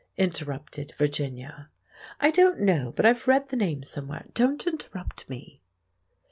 interrupted Virginia. "I don't know, but I've read the name somewhere. Don't interrupt me."